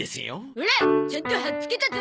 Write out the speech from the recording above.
オラちゃんと貼っつけたゾ！